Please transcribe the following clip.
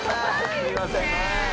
すいません。